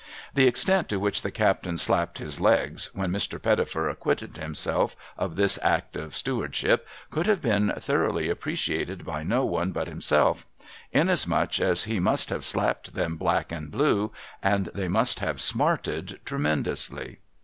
The extent to which the captain slapped his legs, when Mr. Pettifer acquitted himself of this act of steward ship, could have been thoroughly appreciated by no one but him self; inasmuch as he must have slapped them black and blue, and they must have smarted tremendously.